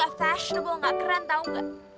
gak fashion gue ga keren tau ga